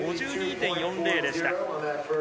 得点は５２．４０でした。